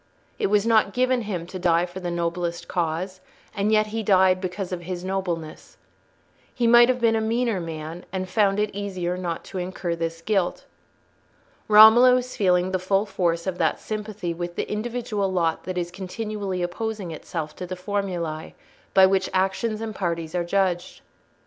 It was not given him to die for the noblest cause, and yet he died because of his nobleness. He might have been a meaner man and found it easier not to incur this guilt. Romola was feeling the full force of that sympathy with the individual lot that is continually opposing itself to the formulae by which actions and parties are judged.